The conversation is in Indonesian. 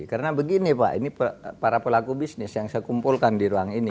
karena begini pak ini para pelaku bisnis yang saya kumpulkan di ruang ini